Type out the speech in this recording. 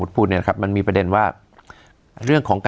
เพราะอย่างยก